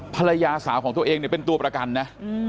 ภรรยาสาวของตัวเองเนี่ยเป็นตัวประกันนะ